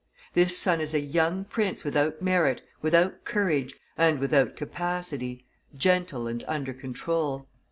This son is a young prince without merit, without courage, and without capacity, gentle and under control.